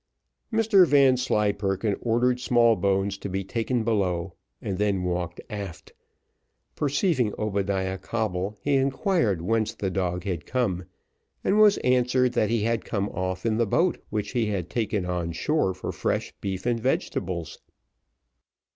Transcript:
Mr Vanslyperken ordered Smallbones to be taken below, and then walked aft; perceiving Obadiah Coble, he inquired whence the dog had come, and was answered that he had come off in the boat which he had taken on shore for fresh beef and vegetables.